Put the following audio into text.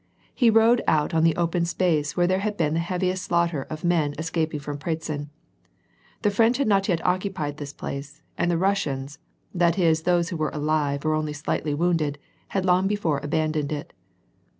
He rode out on the open space where there had been the heaviest slaughter of the men escaping from Pratzen. The French had not yet occupied this place, and the Russians — that is those who were alive or only slightly wounded had long before abandoned it.